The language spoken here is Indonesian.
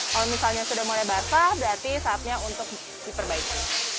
kalau misalnya sudah mulai basah berarti saatnya untuk diperbaiki